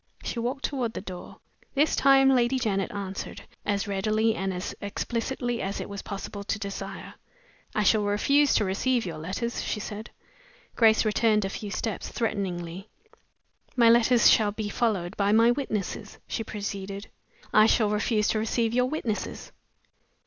She walked toward the door. This time Lady Janet answered, as readily and as explicitly as it was possible to desire. "I shall refuse to receive your letters," she said. Grace returned a few steps, threateningly. "My letters shall be followed by my witnesses," she proceeded. "I shall refuse to receive your witnesses."